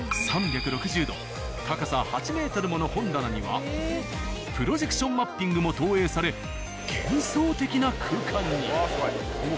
３６０度高さ８ｍもの本棚にはプロジェクションマッピングも投影され幻想的な空間に。